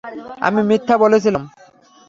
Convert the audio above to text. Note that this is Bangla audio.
আমি মিথ্যা বলেছিলাম।